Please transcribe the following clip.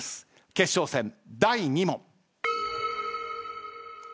決勝戦第２問。